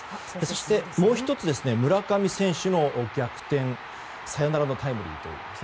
そしてもう１つは村上選手の逆転サヨナラのタイムリーと。